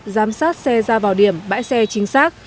giám sát xe ra vào điểm bãi xe chính xác